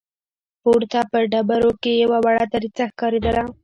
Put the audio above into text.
پورته په ډبرو کې يوه وړه دريڅه ښکارېدله.